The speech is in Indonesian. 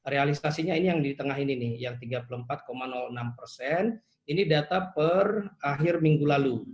realisasinya ini yang di tengah ini nih yang tiga puluh empat enam persen ini data per akhir minggu lalu